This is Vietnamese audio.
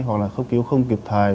hoặc là cốc cứu không kịp thời